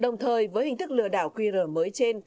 đồng thời với hình thức lừa đảo qr mới trên